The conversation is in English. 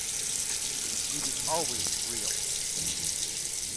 He was always 'real'.